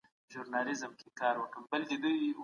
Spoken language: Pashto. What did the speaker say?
خلګ به په رنځ کي سره برابر سي.